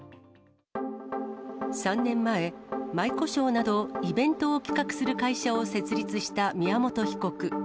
３年前、舞妓ショーなど、イベントを企画する会社を設立した宮本被告。